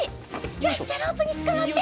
よしじゃあロープにつかまって。